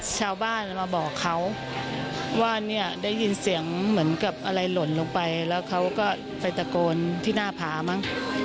ชาวบ้านมาบอกเขาว่าเนี่ยได้ยินเสียงเหมือนกับอะไรหล่นลงไปแล้วเขาก็ไปตะโกนที่หน้าผามั้ง